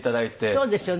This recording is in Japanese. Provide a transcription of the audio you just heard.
そうですよね。